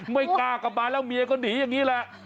ไม่กล้ากลับมาแล้วเมียก็หนีอย่างนี้แหละ